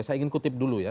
saya ingin kutip dulu ya